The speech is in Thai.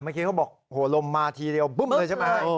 เขาบอกโหลมมาทีเดียวบึ้มเลยใช่ไหม